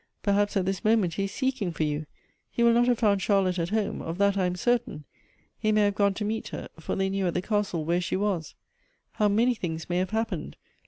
Perhaps at this moment he is seeking for you. He will not have found Charlotte at home ; of that I am certain. He may have gone to meet her ; for they knew at the castle where she was. How many things may have happened